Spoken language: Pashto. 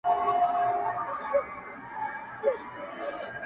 • سړي وویل جنت ته به زه ځمه -